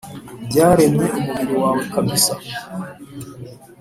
byaremye umubiri wawe kabisa